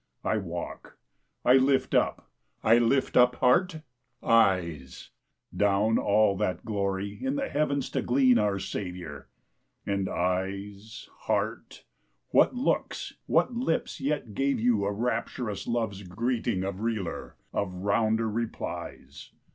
I walk, I lift up, I lift up heart, eyes, Down all that glory in the heavens to glean our Saviour; And, éyes, heárt, what looks, what lips yet gave you a Rapturous love's greeting of realer, of rounder replies?